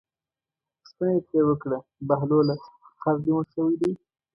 پوښتنه یې ترې وکړه بهلوله خر دې مړ شوی دی.